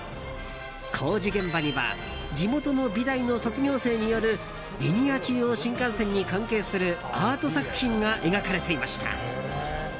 工事現場には地元の美大の卒業生によるリニア中央新幹線に関係するアート作品が描かれていました。